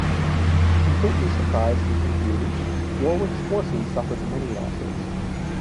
Completely surprised and confused Warwick's forces suffered many losses.